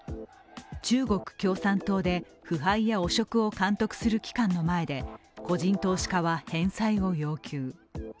中国共産党で腐敗や汚職を監督する機関の前で個人投資家は返済を要求。